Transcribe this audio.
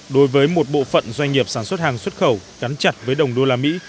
đối với một bộ phận doanh nghiệp sản xuất hàng xuất khẩu gắn chặt với đồng đô la mỹ